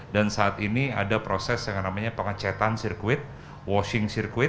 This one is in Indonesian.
dan saat ini ada proses yang namanya pengecetan sirkuit washing